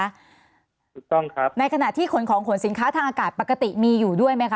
ถูกต้องครับในขณะที่ขนของขนสินค้าทางอากาศปกติมีอยู่ด้วยไหมคะ